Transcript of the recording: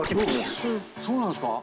そうなんすか？